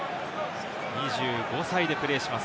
２５歳でプレーします。